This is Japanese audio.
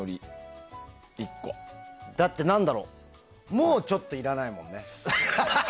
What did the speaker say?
だって、もうちょっといらないもんね。